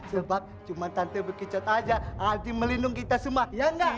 sebab cuma tante bekicot saja yang akan melindungi kita semua iya enggak